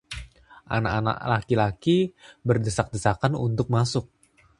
Anak-anak laki-laki berdesak-desakan untuk masuk.